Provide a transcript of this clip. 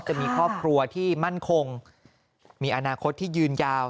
จะมีครอบครัวที่มั่นคงมีอนาคตที่ยืนยาว